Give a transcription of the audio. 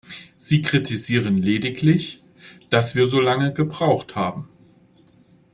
Sie kritisieren lediglich, dass wir so lang gebraucht haben.